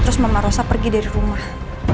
terus mama rosa pergi dari rumah